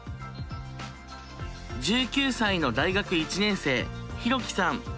１９歳の大学１年生ヒロキさん。